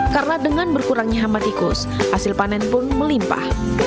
karena dengan berkurangnya hama tikus hasil panen pun melimpah